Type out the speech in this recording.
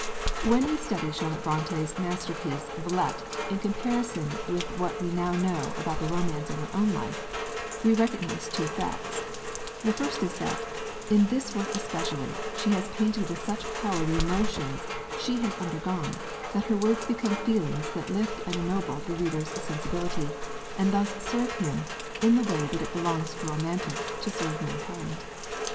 When we study Charlotte Brontë's masterpiece Villette in comparison with what we now know about the romance in her own life, we recognise two facts: the first is that, in this work especially, she has painted with such power the emotions she has undergone that her words become feelings that lift and ennoble the reader's sensibility: and thus serve him in the way that it belongs to Romantics to serve mankind.